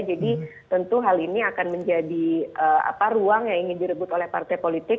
jadi tentu hal ini akan menjadi ruang yang ingin direbut oleh partai politik